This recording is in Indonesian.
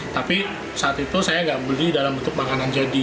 tapi saat itu saya nggak beli dalam bentuk makanan jadi